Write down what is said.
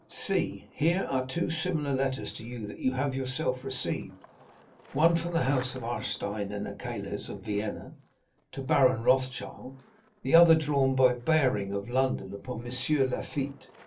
See, here are two similar letters to that you have yourself received; one from the house of Arstein & Eskeles of Vienna, to Baron Rothschild, the other drawn by Baring of London, upon M. Lafitte.